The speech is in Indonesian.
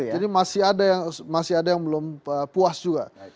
jadi masih ada yang belum puas juga